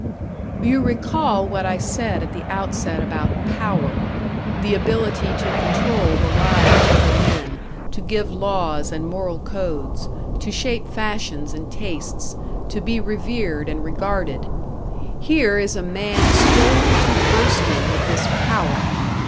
You recall what I said at the outset about Power; the ability to control the lives of other men, to give laws and moral codes, to shape fashions and tastes, to be revered and regarded. Here is a man swollen to bursting with this Power.